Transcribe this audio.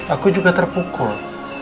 aku juga terpukul